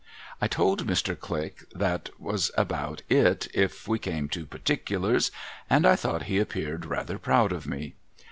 I told Mr, Click that was about it, if we came to particulars; and I thought he appeared rather proud of me.